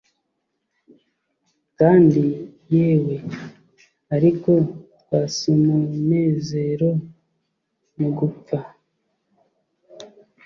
kandi yewe, ariko 'twas umunezero mugupfa